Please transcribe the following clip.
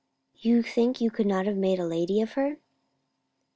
"You think you could not have made a lady of her?"